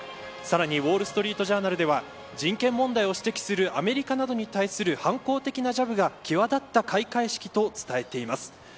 さらにウォールストリート・ジャーナルでは人権問題を指摘するアメリカなどに対する反抗的なジャブが際立った開会式と伝えています。